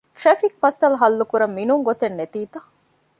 ޓްރެފިކް މައްސަލަ ހައްލުކުރަން މިނޫން ގޮތެއް ނެތީތަ؟